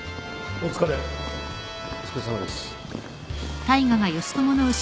お疲れさまです。